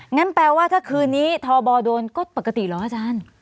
งั้นแปลว่าถ้าคืนนี้ทบโดนก็ปกติเหรออาจารย์